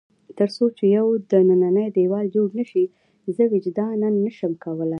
تر څو چې یو دننی دېوال جوړ نه شي، زه وجداناً نه شم کولای.